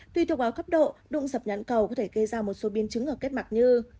tuy thuộc vào khắp độ đụng dập nhãn cầu có thể gây ra một số biên chứng ở kết mạc như